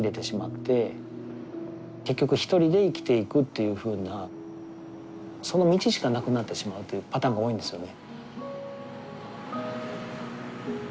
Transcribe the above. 結局一人で生きていくというふうなその道しかなくなってしまうというパターンが多いんですよね。